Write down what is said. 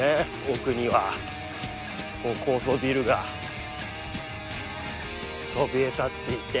奥には高層ビルがそびえ立っていて。